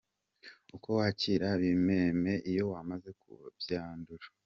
Uko wakira ibimeme iyo wamaze kubyandura.